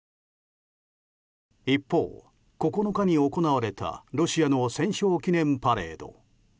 一方、９日に行われたロシアの戦勝記念パレード。